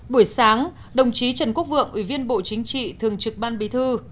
buổi sáng đồng chí trần quốc vượng ủy viên bộ chính trị thường trực ban bí thư